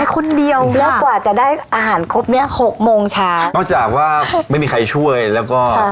คนเดียวแล้วกว่าจะได้อาหารครบเนี้ยหกโมงเช้านอกจากว่าไม่มีใครช่วยแล้วก็